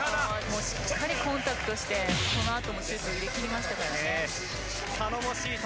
しっかりコンタクトしてその後シュート入れ切りました。